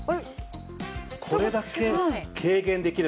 これだけ軽減できるんですね。